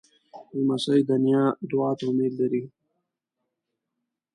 لمسی د نیا دعا ته امید لري.